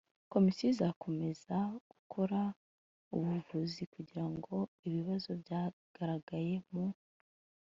komisiyo izakomeza gukora ubuvugizi kugira ngo ibibazo byagaragaye mu